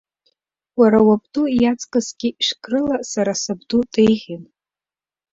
Уара уабду иаҵкысгьы шәкы рыла сара сабду деиӷьын!